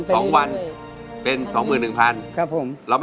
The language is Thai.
สวัสดีครับ